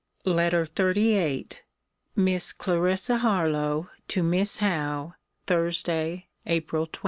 LETTER XXXVIII MISS CLARISSA HARLOWE, TO MISS HOWE THURSDAY, APRIL 20.